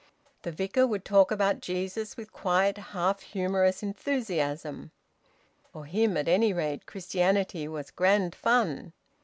The Vicar would talk about Jesus with quiet half humorous enthusiasm. For him at any rate Christianity was grand fun.